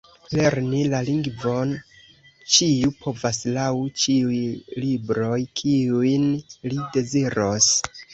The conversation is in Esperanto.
Lerni la lingvon ĉiu povas laŭ ĉiuj libroj, kiujn li deziros.